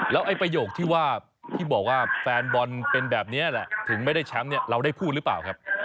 แล้วไอ้ประโยคที่ว่าที่บอกว่าแฟนบอลเป็นแบบนี้แหละถึงไม่ได้แชมป์เนี่ยเราได้พูดหรือเปล่าครับ